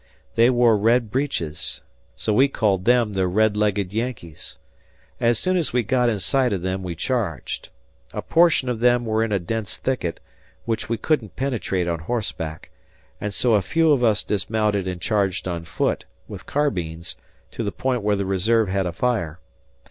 They wore red breeches, so we called them the red legged Yankees. As soon as we got in sight of them we charged. A portion of them were in a dense thicket, which we couldn't penetrate on horse back, and so a few of us dismounted and charged on foot, with carbines, to the point where the reserve had a fire.